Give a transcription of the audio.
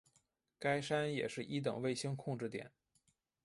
该山也是一等卫星控制点。